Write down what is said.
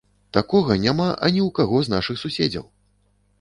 Такога няма ані ў каго з нашых суседзяў!